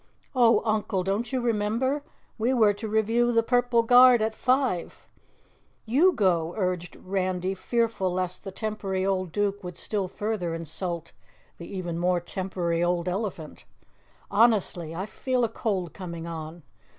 "Oh, Uncle, don't you remember, we were to review the Purple Guard at five? YOU go," urged Randy, fearful lest the tempery old Duke would still further insult the even more tempery old elephant. "Honestly, I feel a cold coming on."